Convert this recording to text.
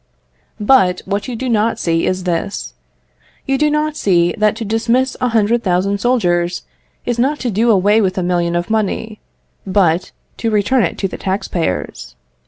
But what you do not see is this. You do not see that to dismiss a hundred thousand soldiers is not to do away with a million of money, but to return it to the tax payers.